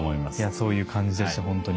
そういう感じでした本当に。